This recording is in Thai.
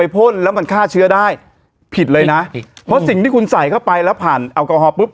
เพราะสิ่งที่คุณใส่กลับไปแล้วปุ๊บ